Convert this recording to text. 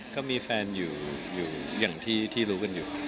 ก็มีแฟนอยู่อย่างที่รู้กันอยู่